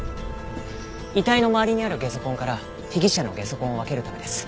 遺体の周りにあるゲソ痕から被疑者のゲソ痕を分けるためです。